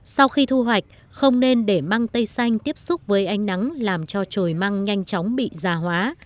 sau khi thu hoạch không nên để măng tây xanh tiếp xúc với ánh nắng làm cho trồi măng nhanh chóng bị già hóa